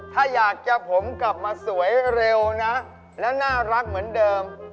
ถ้าอยากจะผมกลับมาสวยเร็วนะแล้วน่ารักเหมือนเดิม